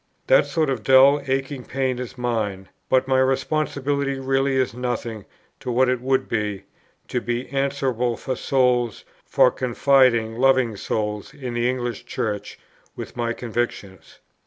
That sort of dull aching pain is mine; but my responsibility really is nothing to what it would be, to be answerable for souls, for confiding loving souls, in the English Church, with my convictions.